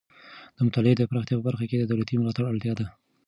د مطالعې د پراختیا په برخه کې د دولتي ملاتړ اړتیا ده.